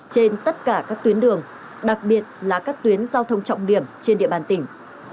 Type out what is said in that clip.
trên tất cả các tuyến đường đặc biệt là các tuyến giao thông trọng điểm trên địa bàn tỉnh